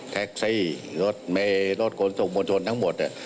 แท็กซี่รถเมย์รถขนส่งมวลชนทั้งหมด